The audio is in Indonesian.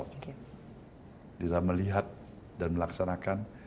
kita melihat dan melaksanakan